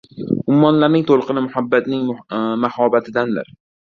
Ummonlarning to‘lqini muhabbatning mahobatidandir.